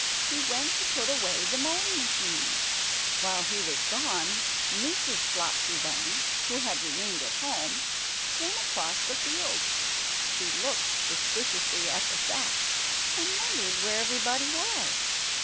He went to put away the mowing machine. While he was gone, Mrs. Flopsy Bunny (who had remained at home) came across the field. She looked suspiciously at the sack and wondered where everybody was?